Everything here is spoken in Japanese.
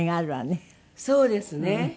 そうですね。